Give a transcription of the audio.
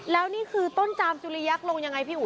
แล้วนี่คือต้นจามจุลิยักษ์ลงยังไงพี่อุ๋